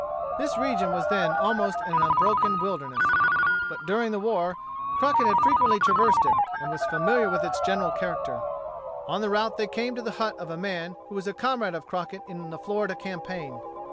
This region was then almost an unbroken wilderness. But during the war Crockett had frequently traversed it, and was familiar with its general character. On the route they came to the hut of a man who was a comrade of Crockett in the Florida campaign.